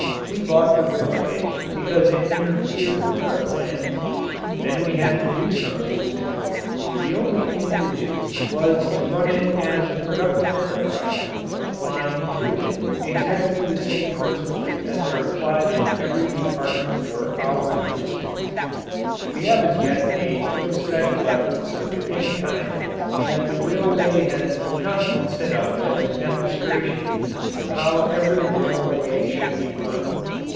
We bought the railway because it interfered with our plans. Then we had to do something with it. The only thing to do was to run it as a productive enterprise, applying to it exactly the same principles as are applied in every department of our industries. We have as yet made no special efforts of any kind and the railway has not been set up as a demonstration of how every railway should be run.